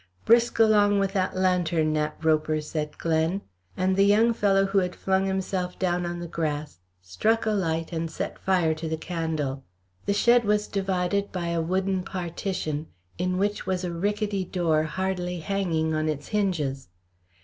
"Brisk along with that lantern, Nat Roper," said Glen, and the young fellow who had flung himself down on the grass struck a light and set fire to the candle. The shed was divided by a wooden partition, in which was a rickety door hardly hanging on its hinges.